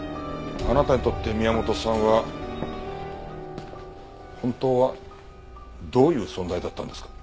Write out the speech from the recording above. あなたにとって宮本さんは本当はどういう存在だったんですか？